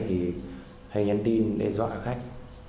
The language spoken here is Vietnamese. thì hay nhắn tin để dọa khách